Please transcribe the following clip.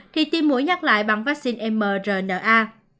thì tiêm mũi nhắc lại bằng vaccine mrna